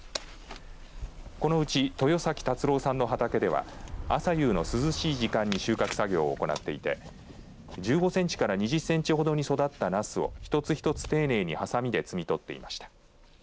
このうち豊崎達朗さんの畑では朝夕の涼しい時間に収穫作業を行っていて１５センチから２０センチほどに育ったナスを一つ一つ丁寧にはさみで摘み取っていました。